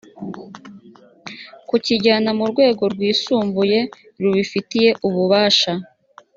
kukijyana mu rwego rwisumbuye rubifitiye ububasha